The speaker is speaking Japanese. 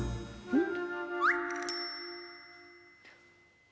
うん？